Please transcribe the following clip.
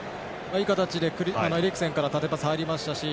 いい形でエリクセンからの縦パスが入りましたし。